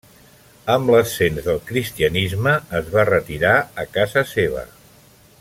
Amb l'ascens del cristianisme es va retirar a casa seva.